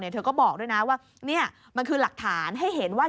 เธอก็บอกด้วยนะว่านี่มันคือหลักฐานให้เห็นว่า